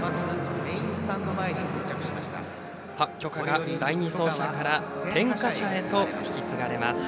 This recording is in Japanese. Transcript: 炬火が第２走者から点火者へと引き継がれます。